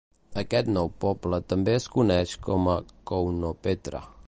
Aquest nou poble també es coneix com a Kounopetra.